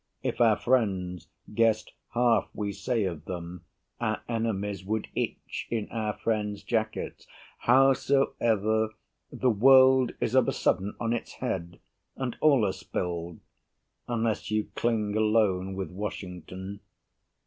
If our friends Guessed half we say of them, our enemies Would itch in our friends' jackets. Howsoever, The world is of a sudden on its head, And all are spilled unless you cling alone With Washington.